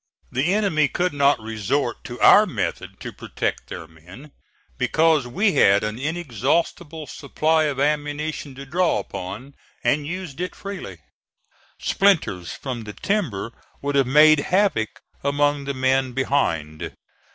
The enemy could not resort to our method to protect their men, because we had an inexhaustible supply of ammunition to draw upon and used it freely. Splinters from the timber would have made havoc among the men behind.